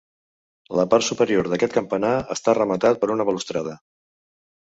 La part superior d'aquest campanar està rematat per una balustrada.